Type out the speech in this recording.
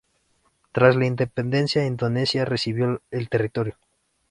Tras la independencia Indonesia recibió el territorio.